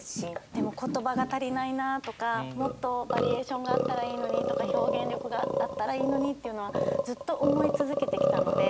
でも言葉が足りないなとかもっとバリエーションがあったらいいのにとか表現力があったらいいのにっていうのはずっと思い続けてきたので。